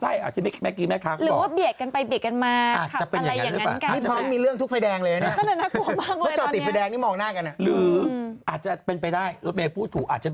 เบียดเฉียวอะไรกันด่อนนะอย่างเงี้ยแบบเปิดเที่ยวก่อนนะ